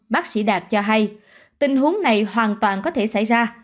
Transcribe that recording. bác sĩ đạt cho hay tình huống này hoàn toàn có thể xảy ra